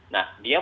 nah dia mencari